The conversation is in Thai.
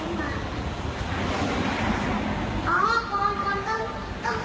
อ๋อก็ต้องต้องต้องอีก๙๐ครั้งหนึ่งก็ได้จ้ะตัวมันล่ะ